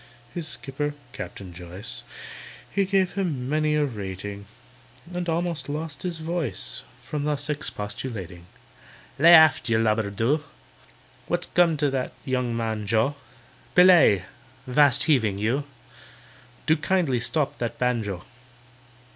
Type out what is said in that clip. His skipper (CAPTAIN JOYCE), He gave him many a rating, And almost lost his voice From thus expostulating: "Lay aft, you lubber, do! What's come to that young man, JOE? Belay!—'vast heaving! you! Do kindly stop that banjo!